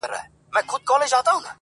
پخپله ورک یمه چي چیري به دي بیا ووینم!.